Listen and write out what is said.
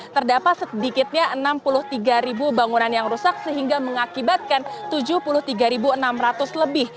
terdapat sedikitnya enam puluh tiga bangunan yang rusak sehingga mengakibatkan tujuh puluh tiga enam ratus lebih